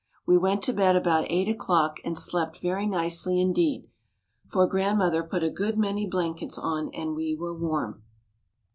We went to bed about eight o'clock and slept very nicely indeed, for Grandmother put a good many blankets on and we were warm.